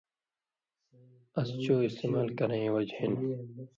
اس چو استعمال کرَیں وجہۡ ہِن